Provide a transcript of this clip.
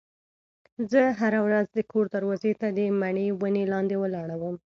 زه هره ورځ د کور دروازې ته د مڼې ونې لاندې ولاړه وم.